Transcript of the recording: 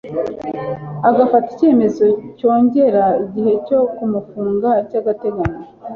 agafata icyemezo cyongera igihe cyo kumufunga by'agateganyo